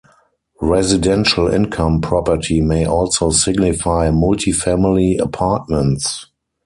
Residential income property may also signify multifamily apartments.